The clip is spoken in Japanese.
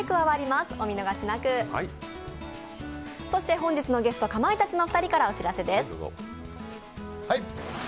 本日のゲスト、かまいたちのお二人からお知らせです。